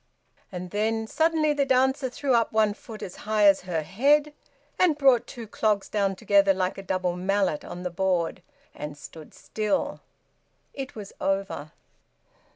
And then, suddenly, the dancer threw up one foot as high as her head and brought two clogs down together like a double mallet on the board, and stood still. It was over.